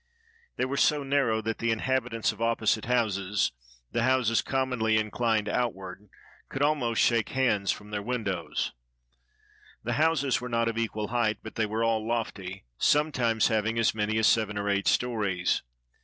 They were so narrow that the inhabitants of opposite houses — the houses commonly inclined out ward — could almost shake hands from their windows. The houses were not of equal height, but they were all lofty, sometimes having as many as seven or eight stories.